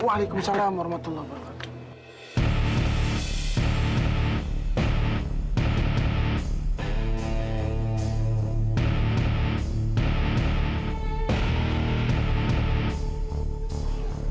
waalaikumsalam warahmatullahi wabarakatuh